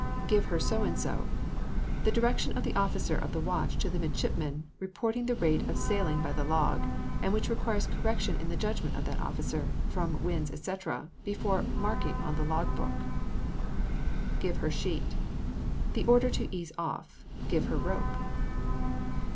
GIVE HER SO AND SO. The direction of the officer of the watch to the midshipman, reporting the rate of sailing by the log, and which requires correction in the judgment of that officer, from winds, &c., before marking on the log board. GIVE HER SHEET. The order to ease off; give her rope.